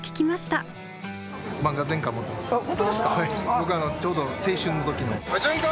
僕ちょうど青春の時の。